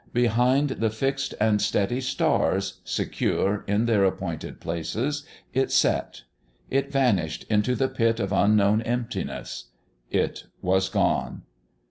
Behind the fixed and steady stars, secure in their appointed places, it set. It vanished into the pit of unknown emptiness. It was gone.